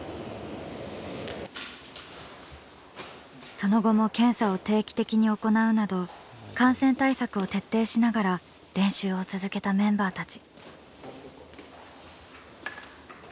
その後も検査を定期的に行うなど感染対策を徹底しながら練習を続けたメンバーたち。